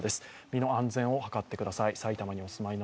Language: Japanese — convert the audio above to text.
身の安全を図ってください。